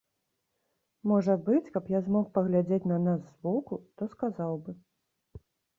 Можа быць, каб я змог паглядзець на нас з боку, то сказаў бы.